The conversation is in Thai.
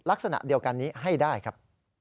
ลักษณะเดียวกันนี้ให้ได้ครับ